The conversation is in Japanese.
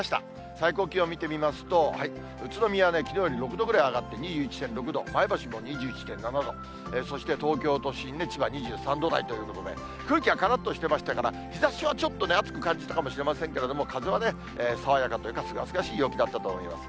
最高気温見てみますと、宇都宮できのうより６度ぐらい上がって２１．６度、前橋も２１．７度、そして東京都心、千葉２３度台ということで、空気はからっとしてましたから、日ざしはちょっとね、暑く感じたかもしれませんけれども、風は爽やかというか、すがすがしい陽気だったと思います。